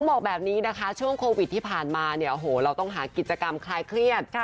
บอกแบบนี้นะคะช่วงโควิดที่ผ่านมาเนี่ยโอ้โหเราต้องหากิจกรรมคลายเครียด